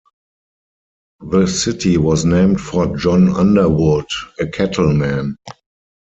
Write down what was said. The city was named for John Underwood, a cattleman.